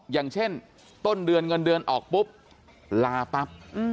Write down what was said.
อย่างเช่นต้นเดือนเงินเดือนออกปุ๊บลาปั๊บ